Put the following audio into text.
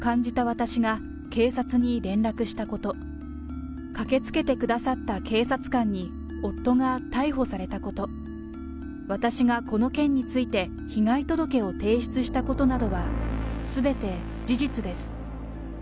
私が警察に連絡したこと、駆けつけてくださった警察官に夫が逮捕されたこと、私がこの件について被害届を提出したことなどは、すべて事実です。